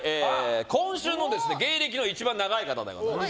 今週の芸歴の一番長い方になります。